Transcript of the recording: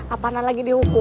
apalah lagi dihukum